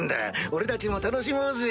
俺たちも楽しもうぜ。